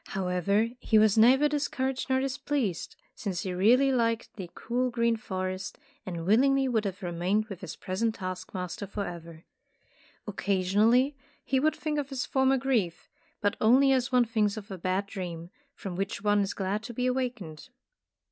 However he was neither dis couraged nor displeased, since he really liked the cool green forest, and willingly would have remained with his present task master forever. Occasionally he would think of his former grief, but only as one thinks of a bad dream, from which one is glad to be awakened.